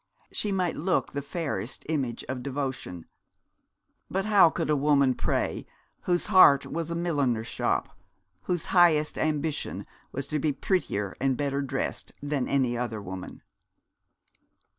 She might look the fairest image of devotion; but how could a woman pray whose heart was a milliner's shop, whose highest ambition was to be prettier and better dressed than other women?